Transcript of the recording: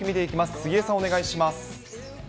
杉江さん、お願いします。